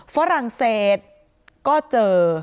ฝรั่งเศสก็เจอ